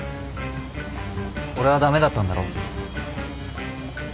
俺はダメだったんだろ。